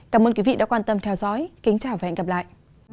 cảm ơn quý vị đã quan tâm theo dõi kính chào và hẹn gặp lại